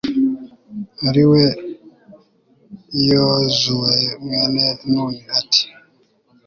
ari we yozuwe mwene nuni, ati